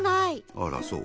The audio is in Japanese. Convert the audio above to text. あらそう？